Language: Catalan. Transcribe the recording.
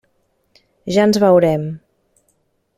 Ja ens veurem.